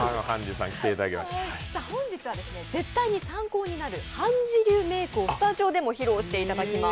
本日は絶対に参考になるｈａｎｊｅｅ流メイクをスタジオでも披露していただきます。